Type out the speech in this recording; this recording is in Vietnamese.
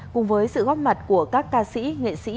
cùng với sự góp mặt của các ca sĩ nghệ sĩ